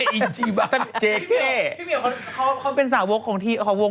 พี่เมียเขาเป็นสาวกของทีนะ